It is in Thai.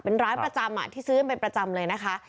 เป็นร้านประจำที่ซื้อกันเป็นประจำเลยนะคะ